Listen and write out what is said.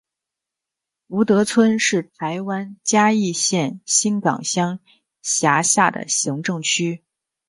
福德村是台湾嘉义县新港乡辖下的行政区。